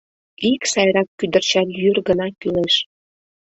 Ик сайрак кӱдырчан йӱр гына кӱлеш...